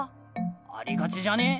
ありがちじゃね？